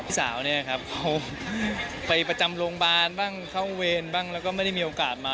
สาวเนี่ยครับเขาไปประจำโรงพยาบาลบ้างเข้าเวรบ้างแล้วก็ไม่ได้มีโอกาสมา